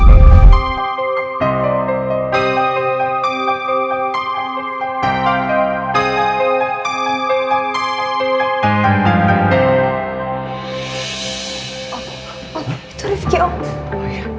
itu rifki om